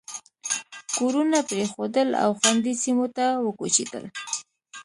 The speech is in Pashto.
کورونه پرېښودل او خوندي سیمو ته وکوچېدل.